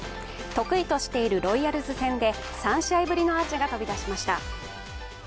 得意としているロイヤルズ戦で３試合ぶりのアーチが飛び出しました。